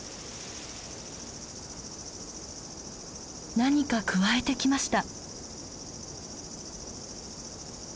何かくわえてきました。